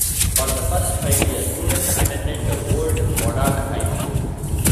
For the first five years, students attended the old Modoc High School.